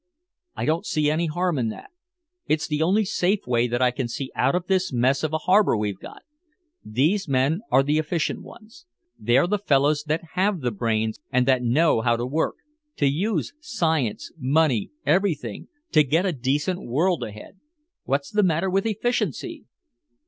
I don't see any harm in that. It's the only safe way that I can see out of this mess of a harbor we've got. These men are the efficient ones they're the fellows that have the brains and that know how to work to use science, money, everything to get a decent world ahead. What's the matter with efficiency?"